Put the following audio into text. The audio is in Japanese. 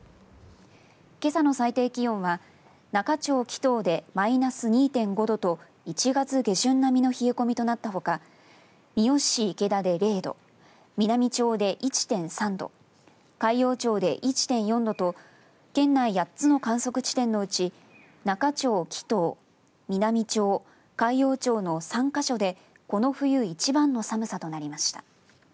けさの最低気温は那賀町木頭でマイナス２．５度と１月下旬並みの冷え込みとなったほか三好市池田で０度美波町で１．３度海陽町で１．４度と県内８つの観測地点のうち那賀町木頭、美波町海陽町の３か所でこの冬一番の寒さとなりました。